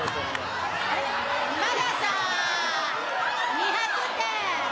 ２００点。